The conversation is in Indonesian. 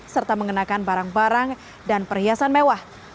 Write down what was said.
serta mengenakan barang barang dan perhiasan mewah